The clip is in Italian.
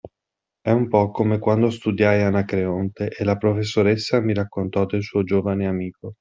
È un po’ come quando studiai Anacreonte e la professoressa mi raccontò del suo giovane amico.